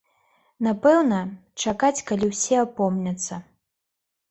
Напэўна, чакаць, калі ўсе апомняцца.